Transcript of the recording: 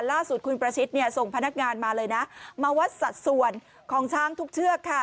ล่าสุดคุณประชิดเนี่ยส่งพนักงานมาเลยนะมาวัดสัดส่วนของช้างทุกเชือกค่ะ